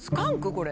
これ。